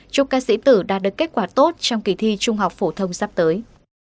chúc các sĩ tử đạt được kết quả tốt trong kỳ thi trung học phổ thông sắp tới